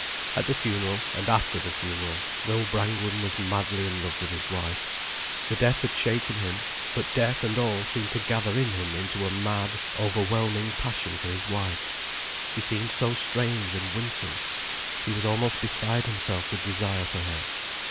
At the funeral, and after the funeral, Will Brangwen was madly in love with his wife. The death had shaken him. But death and all seemed to gather in him into a mad, over whelming passion for his wife. She seemed so strange and winsome. He was almost beside himself with desire for her.